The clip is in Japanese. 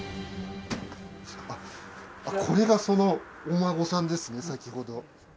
これがそのお孫さんですね先ほど。